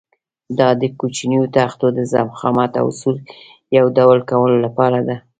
دا د کوچنیو تختو د ضخامت او سور یو ډول کولو لپاره ده.